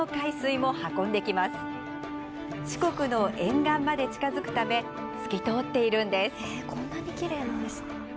四国の沿岸まで近づくため透き通っているんです。